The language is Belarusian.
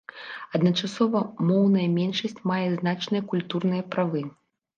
Адначасова моўная меншасць мае значныя культурныя правы.